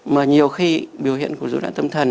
mà nhiều khi biểu hiện của dối loạn tâm thần